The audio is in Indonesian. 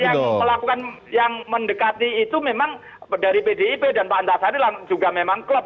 jadi yang melakukan yang mendekati itu memang dari pdip dan pak antasari juga memang klub